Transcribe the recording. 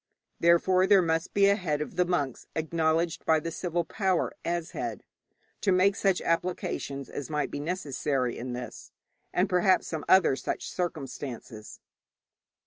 Therefore there must be a head of the monks acknowledged by the civil power as head, to make such applications as might be necessary in this, and perhaps some other such circumstances.